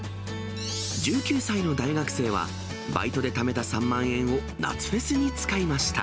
１９歳の大学生は、バイトでためた３万円を夏フェスに使いました。